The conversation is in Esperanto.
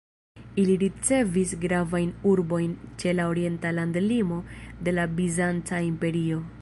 Ili ricevis gravajn urbojn ĉe la orienta landlimo de la Bizanca Imperio.